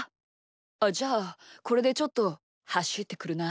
あっじゃあこれでちょっとはしってくるな。